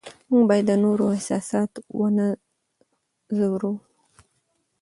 موږ باید د نورو احساسات ونه ځورو